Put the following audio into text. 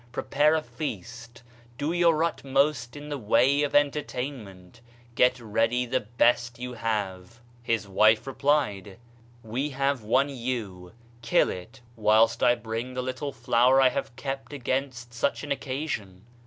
Prepare a feast, do your utmost in the way of entertainment, get ready the best you have." His wife replied: "Wc have one ewe, kill it; whilst I bring the little flour I have kept against such an occasion."